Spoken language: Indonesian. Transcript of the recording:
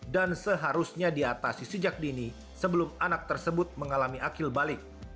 dan seharusnya diatasi sejak dini sebelum anak tersebut mengalami akil balik